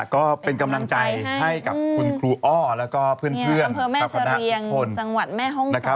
ก็เป็นกำลังใจให้กับคุณครูอ้อและเพื่อนพันธุ์พนธุ์